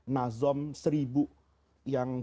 nazom seribu yang beberapa